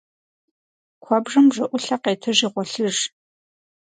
Куэбжэм бжэӏулъэ къетыжи гъуэлъыж.